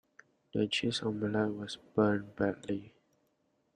The cheese omelette was burned badly.